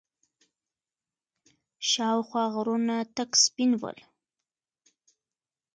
شاوخوا غرونه تک سپين ول.